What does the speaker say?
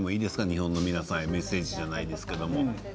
日本の皆さんへメッセージじゃないですけれども。